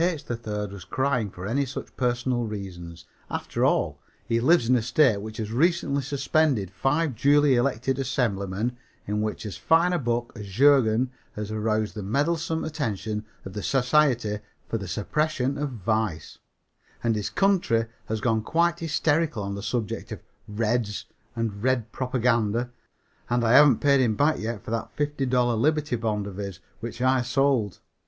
3rd was crying for any such personal reasons. After all, he lives in a state which has recently suspended five duly elected assemblymen, and in which as fine a book as Jurgen has aroused the meddlesome attention of the Society for the Suppression of Vice, and his country has gone quite hysterical on the subject of "Reds" and "Red" propaganda and I haven't paid him back yet for that $50 Liberty Bond of his which I sold.